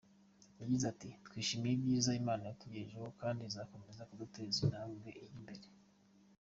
Yagize ati “Twishimiye ibyiza Imana yatugejejeho kandi izakomeza kuduteza intambwe ijya imbere.